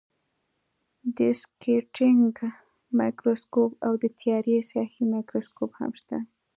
دیسکټینګ مایکروسکوپ او د تیارې ساحې مایکروسکوپ هم شته.